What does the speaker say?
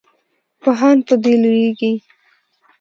پوهان په دې لویږي.